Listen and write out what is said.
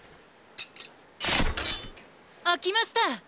あきました！